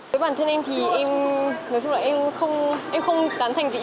đối với bản thân em thì em không tán thành gì